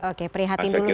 oke perhatikan dulu ya kang